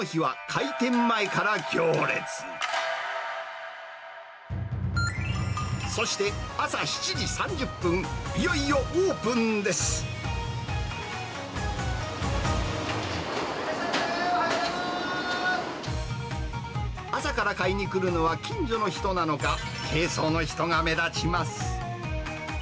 いらっしゃいませ、おはよう朝から買いに来るのは、近所の人なのか、軽装の人が目立ちます。